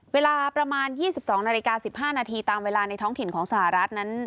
เวลาประมาณ๒๒นาฬิกา๑๕นาทีตามเวลาในท้องถิ่นของสหรัฐนั้น